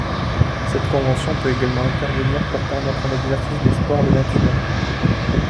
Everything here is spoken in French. Cette convention peut également intervenir pour permettre l’exercice des sports de nature.